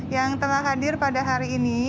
yang telah hadir pada hari ini